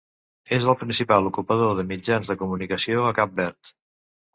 És el principal ocupador de mitjans de comunicació a Cap Verd.